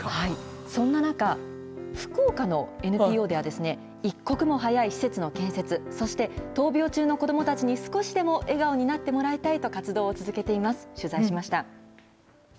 そんな中、福岡のＮＰＯでは、一刻も早い施設の建設、そして闘病中の子どもたちに少しでも笑顔になってもらいたいと活動を続けています。